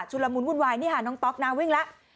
ละมุนวุ่นวายนี่ค่ะน้องต๊อกนะวิ่งแล้ว